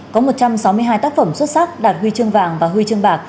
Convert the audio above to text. có một trăm sáu mươi hai tác phẩm xuất sắc đạt huy chương vàng và huy chương bạc